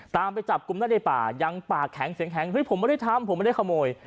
ไปจับกลุ่มได้ในป่ายังปากแข็งเสียงแข็งเฮ้ยผมไม่ได้ทำผมไม่ได้ขโมย